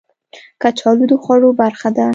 کچالو د خوړو برخه ده